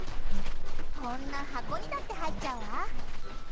こんな箱にだって入っちゃうわ。